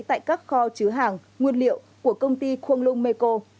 tại các kho chứa hàng nguyên liệu của công ty khuông lung mê cô